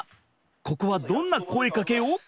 ここはどんな声かけを？